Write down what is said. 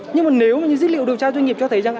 nhưng mà nếu như dữ liệu điều tra doanh nghiệp cho thấy rằng